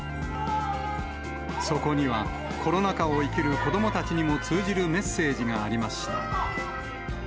そこには、コロナ禍を生きる子どもたちにも通じるメッセージがありました。